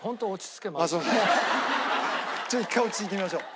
ちょっと一回落ち着いてみましょう。